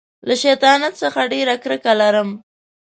له شیطانت څخه ډېره کرکه لرم.